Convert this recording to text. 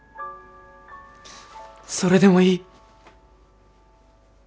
それでもいい。